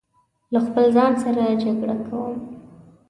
له خپل ځان سره جګړه کوم